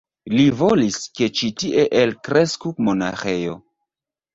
Li volis, ke ĉi tie elkresku monaĥejo.